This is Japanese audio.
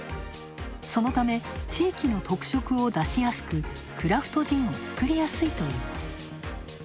そのため地域の特色を出しやすく、クラフトジンを造りやすいといいます。